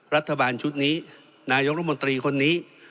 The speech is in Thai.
รัฐบาลชุดนี้นายกรมนตรีคนนี้